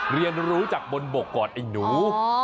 เรียนรู้จากบนบกก่อนไอ้หนู